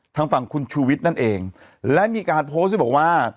ทางฝั่งคุณชูวิทย์นั่นเองและมีการโพสต์ที่บอกว่า